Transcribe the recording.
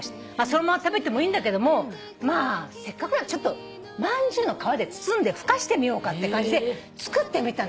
そのまま食べてもいいんだけどもせっかくならまんじゅうの皮で包んでふかしてみようかって感じで作ってみたんだって。